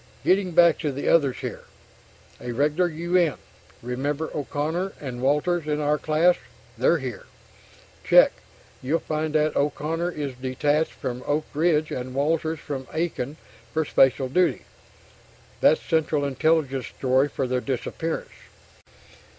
Getting back to the others here ... a regular U. N. Remember O'Connor and Walters in our class? They're here. Check, you'll find that O'Connor is "detached" from Oak Ridge and Walters from Aiken for "special duty." That's Central Intelligence's story for their disappearance.